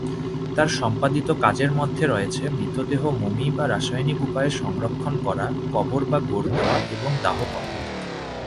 তার সম্পাদিত কাজের মধ্যে রয়েছে মৃতদেহ মমি বা রাসায়নিক উপায়ে সংরক্ষণ করা, কবর বা গোর দেওয়া, এবং দাহ করা।